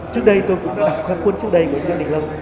trước đây tôi cũng đã đọc qua cuốn trước đây của anh dân đình lâm